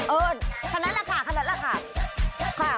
แค่นั้นแหละค่ะคนนั้นแหละค่ะ